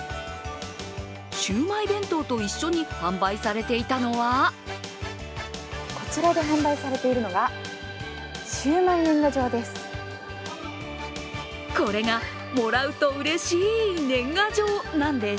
シウマイ弁当と一緒に販売されていたのはこちらで販売されているのがシウマイ年賀状です。